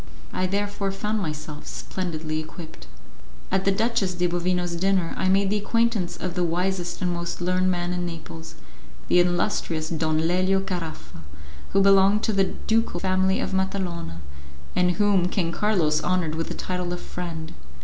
I therefore found myself splendidly equipped. At the Duchess de Bovino's dinner I made the acquaintance of the wisest and most learned man in Naples, the illustrious Don Lelio Caraffa, who belonged to the ducal family of Matalona, and whom King Carlos honoured with the title of friend.